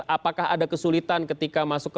apakah ada kesulitan ketika masuk ke